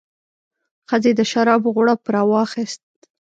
ښځې د شرابو غوړپ راواخیست.